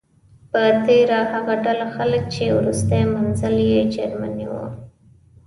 په تیره هغه ډله خلک چې وروستی منزل یې جرمني و.